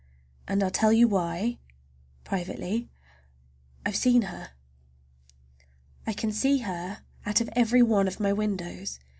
And I'll tell you why—privately—I've seen her! I can see her out of every one of my windows!